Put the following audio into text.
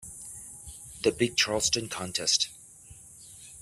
The big Charleston contest.